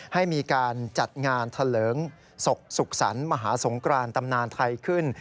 ให้มีการจัดงานทะเลิงศกสุขสรรค์มหาสงกรานตำนานไทยขึ้น